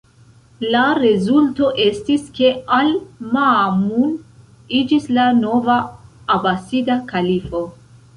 La rezulto estis ke al-Ma'mun iĝis la nova Abasida Kalifo.